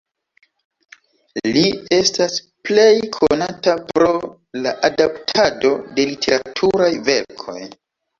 Li estas plej konata pro la adaptado de literaturaj verkoj.